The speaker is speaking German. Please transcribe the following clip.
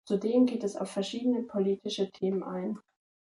Zudem geht es auf verschiedene politische Themen ein.